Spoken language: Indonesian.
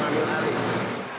kemudian tidak berhasil